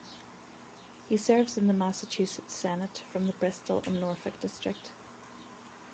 He serves in the Massachusetts Senate from the Bristol and Norfolk district.